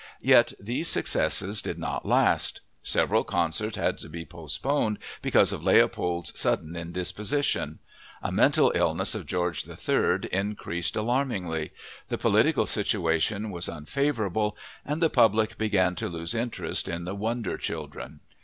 Yet these successes did not last: several concerts had to be postponed because of Leopold's sudden indisposition; a mental illness of George III increased alarmingly; the political situation was unfavorable; and the public began to lose interest in the wonder children.